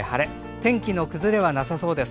天気の崩れはなさそうです。